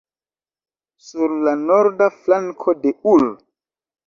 Sur la norda flanko de ul.